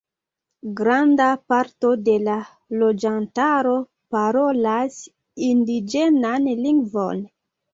Granda parto de la loĝantaro parolas indiĝenan lingvon.